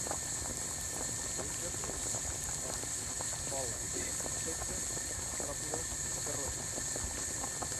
Menja fruits, nèctar, pol·len, insectes, artròpodes i carronya.